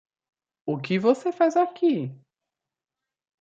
O que você faz aqui?